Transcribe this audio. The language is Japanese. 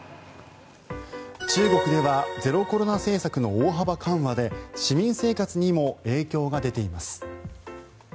中国ではゼロコロナ政策の大幅緩和で市民生活にも影響が出ています。